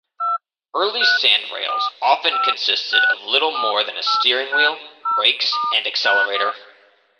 Early sandrails often consisted of little more than a steering wheel, brakes and accelerator.